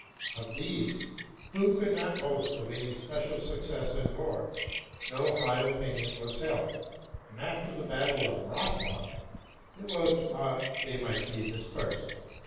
Of these, who could not boast of any special success in war, no high opinion was held; and, after the battle of Rossbach, it was thought they might be dispersed.